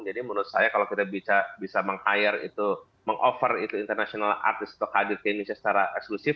jadi menurut saya kalau kita bisa meng offer itu international artist atau hadir ke indonesia secara eksklusif